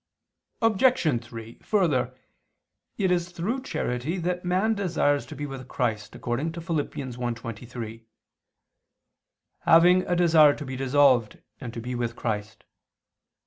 Obj. 3: Further, it is through charity that man desires to be with Christ according to Phil. 1:23: "Having a desire to be dissolved and to be with Christ."